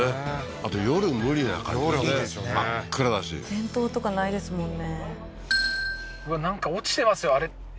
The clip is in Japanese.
あと夜無理な感じするね真っ暗だし電灯とかないですもんね